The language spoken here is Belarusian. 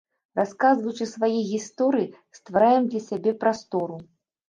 Расказваючы свае гісторыі, ствараем для сябе прастору.